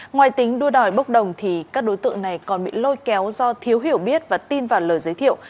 ngoài tính đuôi đòi bốc đồng thì các đối tượng này còn bị lôi kéo do thiếu hiểu biết và tin vào lời giới thiệu